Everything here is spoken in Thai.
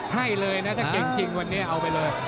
ให้เลยนะถ้าเก่งจริงวันนี้เอาไปเลย